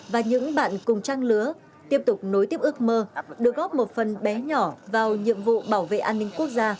và những bạn cùng trang lứa tiếp tục nối tiếp ước mơ được góp một phần bé nhỏ vào nhiệm vụ bảo vệ an ninh quốc gia